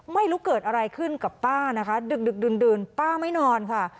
ไม่รู้เกิดอะไรขึ้นกับป้านะคะดึกดื่นป้าไม่นอนค่ะ